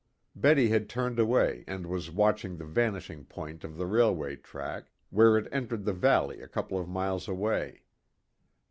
Betty had turned away and was watching the vanishing point of the railway track, where it entered the valley a couple of miles away.